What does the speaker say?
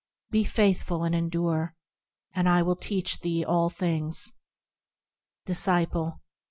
Be faithful and endure, and I will teach thee all things. Disciple.